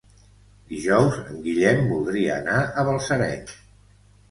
Dijous en Guillem voldria anar a Balsareny.